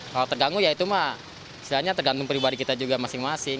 kalau terganggu ya itu mah istilahnya tergantung pribadi kita juga masing masing